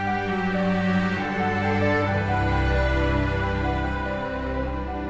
wassalamualaikum warahmatullahi wabarakatuh